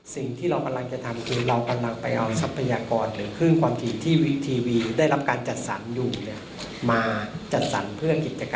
สิ่งที่เรากำลังจะทำคือเรากำลังไปเอาทรัพยากรหรือเครื่องความที่ทีวีดิจิทัลได้รับการจัดสรรอยู่